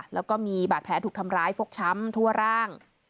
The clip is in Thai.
แล้วก็มีบาดแผลถูกทำร้ายฟกช้ำทั่วร่าง